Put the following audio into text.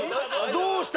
どうした？